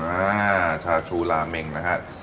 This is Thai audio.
อ่าชาชูราเมงนะครับ